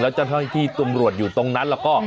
เจ้าหน้าที่ตำรวจอยู่ตรงนั้นแล้วก็